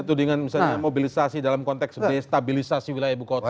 itu dengan misalnya mobilisasi dalam konteks destabilisasi wilayah ibu kota